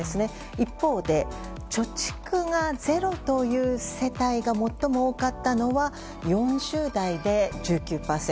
一方で、貯蓄がゼロという世帯が最も多かったのは４０代で１９％。